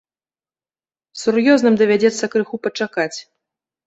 Сур'ёзным давядзецца крыху пачакаць.